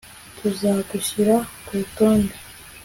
Tuzagushyira kurutonde